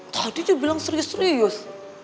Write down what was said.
tadi dia bilang serius serius